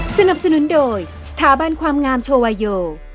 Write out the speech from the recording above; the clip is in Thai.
สนับสนุนโดยสถาบันความงามโชวาโย